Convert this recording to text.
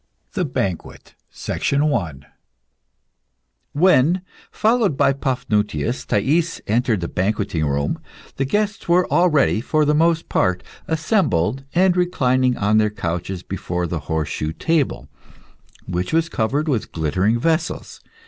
THE BANQUET When, followed by Paphnutius, Thais entered the banqueting room, the guests were already, for the most part, assembled, and reclining on their couches before the horseshoe table, which was covered with glittering vessels.